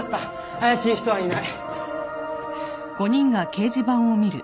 怪しい人はいない。